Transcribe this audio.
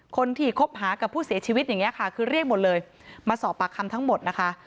คนที่คบหากับผู้เสียชีวิตอย่างนี้ค่ะคือเรียกหมดเลยมาสอบปากคำทั้งหมดนะคะ